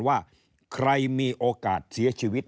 ว่าใครมีโอกาสเสียชีวิต